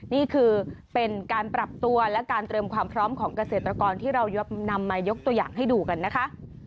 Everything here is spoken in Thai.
นี่คือเป็นการปรับตัวและการเตรียมความพร้อมของเกษตรกรที่เรานำมายกตัวอย่างให้ดูกันนะคะ